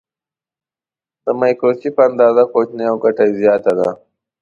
د مایکروچپ اندازه کوچنۍ او ګټه یې زیاته ده.